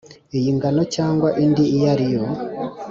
iy ingano cyangwa indi iyo ari